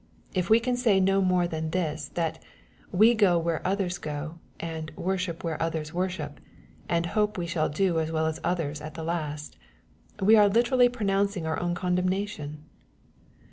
If we can say no more than this, that " we go where others go, and worship where others worship, and hope we shall do as well as others at last," we are literally pronouncing our own condemnation.